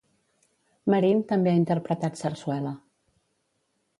Marín també ha interpretat sarsuela.